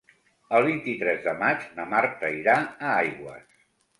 El vint-i-tres de maig na Marta irà a Aigües.